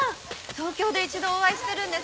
東京で一度お会いしているんです。